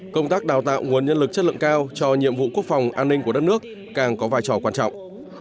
công tác đào tạo nguồn nhân lực chất lượng cao cho nhiệm vụ quốc phòng an ninh của đất nước càng có vai trò quan trọng